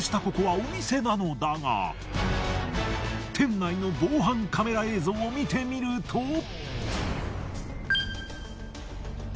ここはお店なのだが店内の防犯カメラ映像を見てみると。